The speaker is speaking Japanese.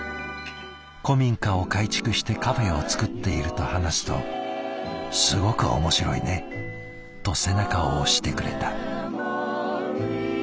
「古民家を改築してカフェを作っている」と話すと「すごく面白いね」と背中を押してくれた。